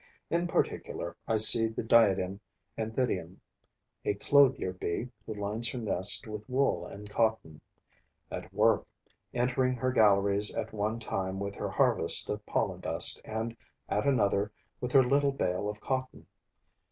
In particular, I see the Diadem Anthidium [a clothier bee who lines her nest with wool and cotton] at work, entering her galleries at one time with her harvest of pollen dust and at another with her little bale of cotton.